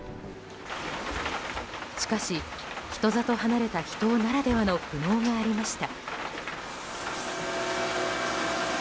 しかし人里離れた秘湯ならではの苦悩がありました。